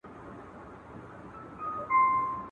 ډېر هوښیار وو په خپل عقل خامتماوو !.